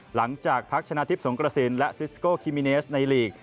หลังจากทักชนะทิพย์สงกระสินและซิสโกคิมิเนสในลีก